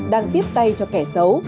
đang tiếp tay cho kẻ xấu